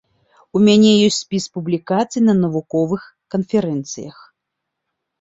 У мяне ёсць спіс публікацый на навуковых канферэнцыях.